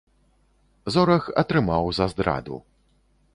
Зорах атрымаў за здраду.